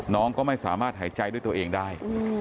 น้องก็ไม่สามารถหายใจด้วยตัวเองได้